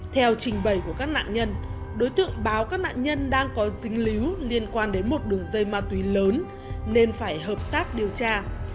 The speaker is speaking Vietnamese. theo trình bày của các nạn nhân đối tượng báo các nạn nhân đang có dính líu liên quan đến một đường dây ma túy lớn nên phải hợp tác điều tra